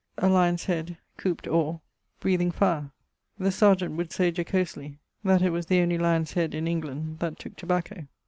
'a lyon's head couped or, breathing fire.' The serjeant would say jocosely that it was the only lyon's head in England that tooke tobacco.